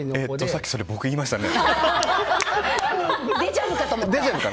さっきそれ、僕が言いましたね。